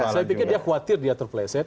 saya pikir dia khawatir dia terpleset